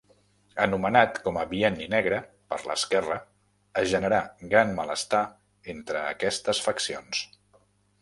Anomenat com a Bienni Negre per l'esquerra es generà gran malestar entre aquestes faccions.